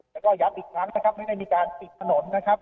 แล้วก็ย้ำอีกครั้งนะครับไม่ได้มีการปิดถนนนะครับ